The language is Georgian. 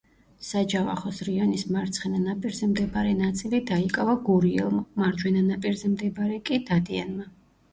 საჯავახოს რიონის მარცხენა ნაპირზე მდებარე ნაწილი დაიკავა გურიელმა, მარჯვენა ნაპირზე მდებარე კი დადიანმა.